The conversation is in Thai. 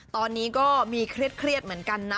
ตอนนี้ก็มีเครียดเหมือนกันนะ